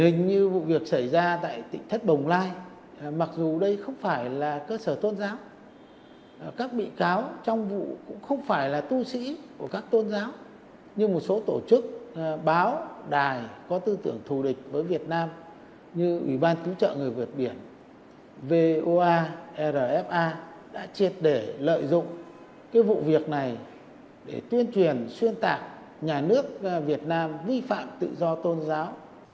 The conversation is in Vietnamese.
chuyên tạc nhà nước việt nam vi phạm tự do tôn giáo